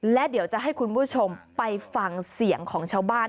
และเดี๋ยวจะให้คุณผู้ชมไปฟังเสียงของชาวบ้าน